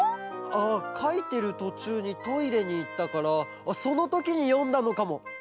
ああかいてるとちゅうにトイレにいったからそのときによんだのかも。